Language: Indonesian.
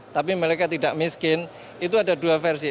tapi mereka tidak miskin itu ada dua versi